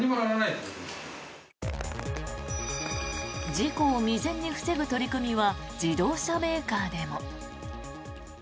事故を未然に防ぐ取り組みは自動車メーカーでも。